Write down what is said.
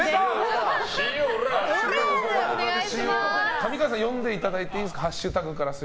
上川さん読んでいただいていいですか？